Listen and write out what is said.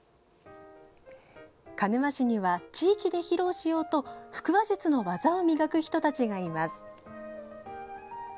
鹿沼市には、地域で披露しようと腹話術の技を磨く人たちがいます。